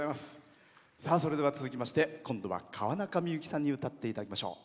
それでは続きまして今度は川中美幸さんに歌っていただきましょう。